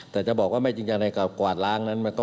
แต่จะบอกว่าไม่จริงจังในการกวาดล้างนั้น